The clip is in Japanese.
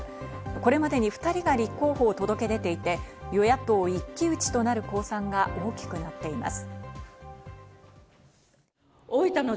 これまでに２人が立候補を届け出ていて、与野党一騎打ちとなる公算が大きくなっています。